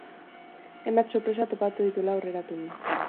Hainbat sorpresa topatu dituela aurreratu du.